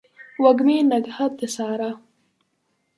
وږمې نګهت د سارا